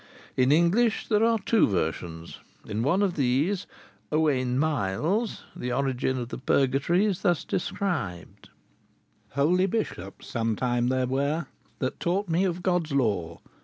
In English there are two versions. In one of these, 'Owayne Miles,' the origin of the purgatory is thus described: "Holy byschoppes some tyme ther were, That tawgte me of Goddes lore.